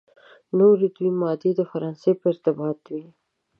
نوري دوې مادې د فرانسې په ارتباط وې.